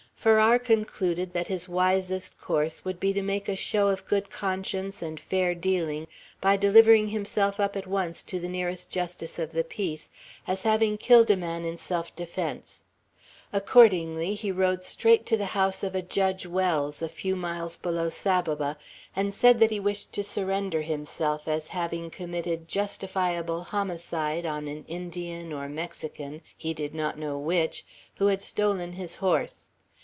Farrar concluded that his wisest course would be to make a show of good conscience and fair dealing by delivering himself up at once to the nearest justice of the peace, as having killed a man in self defence, Accordingly he rode straight to the house of a Judge Wells, a few miles below Saboba, and said that he wished to surrender himself as having committed "justifiable homicide" on an Indian, or Mexican, he did net know which, who had stolen his horse.